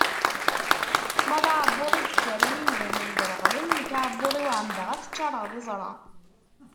Ma d aɛebbuḍ i yettarran imdanen dreɣlen, nekk aɛebbuḍ-iw ɛemdeɣ ad t-ččareɣ d iẓra.